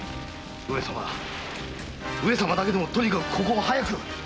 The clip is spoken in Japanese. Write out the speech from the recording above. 上様上様だけでもとにかくここは早く！